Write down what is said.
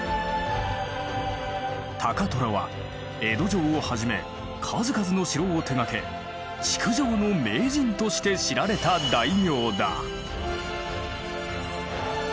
高虎は江戸城をはじめ数々の城を手がけ築城の名人として知られた大名だ。